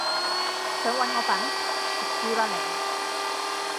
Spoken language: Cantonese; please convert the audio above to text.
想搵我笨？食蕉啦你！